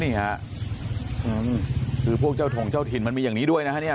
นี่ค่ะคือพวกเจ้าถงเจ้าถิ่นมันมีอย่างนี้ด้วยนะฮะเนี่ย